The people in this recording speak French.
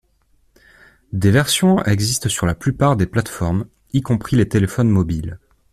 Des versions existent sur la plupart des plates-formes, y compris les téléphones mobiles.